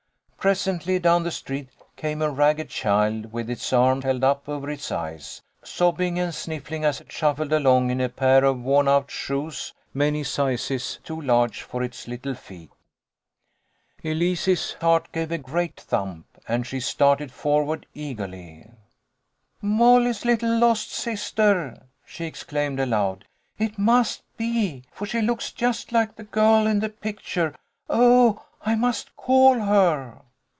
Presently, down the street came a ragged child with its arm held up over its eyes, sobbing and sniffling as it shuffled along in a pair of womout shoes many sizes too large for its little feet. Elise's heart gave a great thump, and she started forward eagerly. THE DAY AFTER THANKSGIVING. 187 " Molly's little lost sister!" she exclaimed aloud. " It must be, for she looks just like the girl in the picture. Oh, I must call her